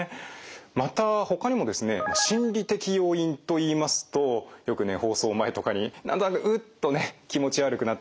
またほかにもですね心理的要因といいますとよくね放送前とかに何となくうっとね気持ち悪くなってくる。